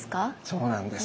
そうなんです。